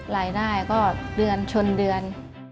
รายได้ก็เดือนชนเดือน